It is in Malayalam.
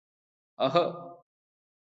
ആഹ്